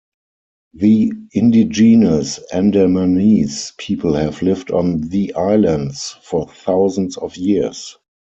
The indigenous Andamanese people have lived on the islands for thousands of years.